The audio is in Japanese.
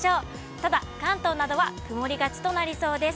ただ、関東などは曇りがちとなりそうです。